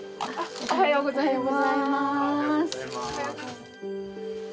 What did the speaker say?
おはようございます。